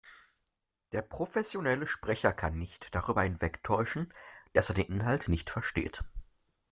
Der professionelle Sprecher kann nicht darüber hinwegtäuschen, dass er den Inhalt nicht versteht.